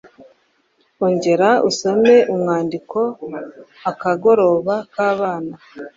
ongera usome umwandiko “akagoroba k’abana”